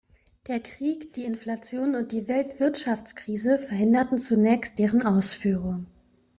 Der Krieg, die Inflation und die Weltwirtschaftskrise verhinderten zunächst deren Ausführung.